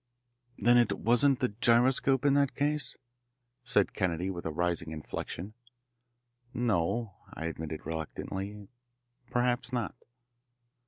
"Then it wasn't the gyroscope in that case?" said Kennedy with a rising inflection. "No," I admitted reluctantly, "perhaps not."